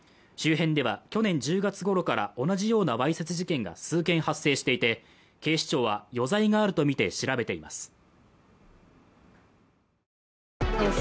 周辺では去年１０月頃から同じようなわいせつ事件が数件発生していて警視庁は余罪があるとみて調べています